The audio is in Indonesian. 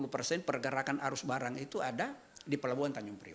nah kok enam puluh tujuh puluh persen pergerakan arus barang itu ada di pelabuhan tanjung priok